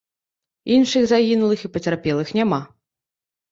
Іншых загінулых і пацярпелых няма.